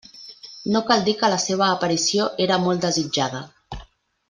No cal dir que la seva aparició era molt desitjada.